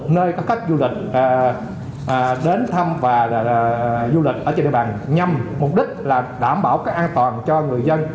nơi có khách du lịch đến thăm và du lịch ở trên địa bàn nhằm mục đích là đảm bảo cái an toàn cho người dân